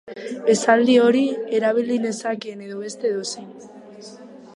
Esaldi hori erabil nezakeen edo beste edozein.